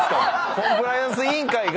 コンプライアンス委員会が。